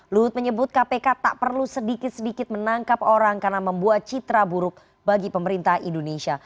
luhut menyebut kpk tak perlu sedikit sedikit menangkap orang karena membuat citra buruk bagi pemerintah indonesia